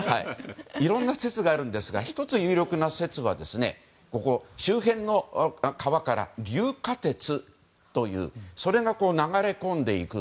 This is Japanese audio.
いろんな説がありますが１つ、有力な説は周辺の川から硫化鉄というそれが流れ込んでいく。